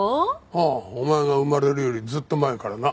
ああお前が生まれるよりずっと前からな。